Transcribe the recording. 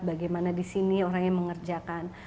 bagaimana disini orangnya mengerjakan